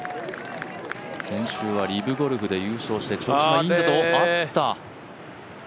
先週はリブゴルフで優勝して調子がよかった。